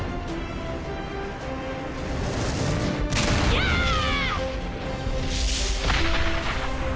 やあっ！